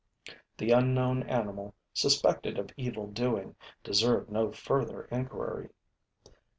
The unknown animal, suspected of evil doing, deserved no further enquiry.